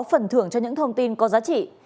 phần thưởng cho những thông tin có giá trị